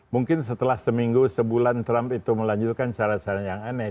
mungkin setelah seminggu sebulan trump itu melanjutkan cara cara yang aneh